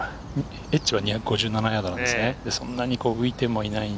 狙エッジは２５７ヤードです。